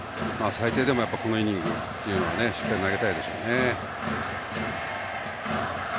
最低でもこのイニングというのはしっかり投げたいでしょうね。